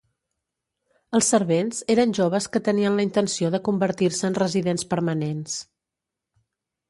Els servents eren joves que tenien la intenció de convertir-se en residents permanents.